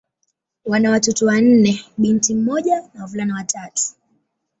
Wana watoto wanne: binti mmoja na wavulana watatu.